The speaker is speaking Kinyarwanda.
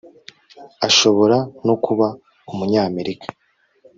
ashobora no kuba umunyamerika